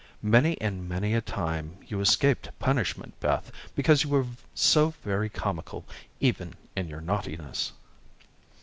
Many and many a time you escaped punishment, Beth, because you were so very comical even in your naughtiness."